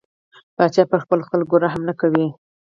پاچا پر خلکو رحم نه کوي.